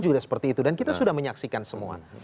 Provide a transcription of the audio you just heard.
juga seperti itu dan kita sudah menyaksikan semua